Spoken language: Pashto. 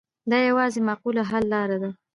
دا یوازینۍ معقوله حل لاره ده.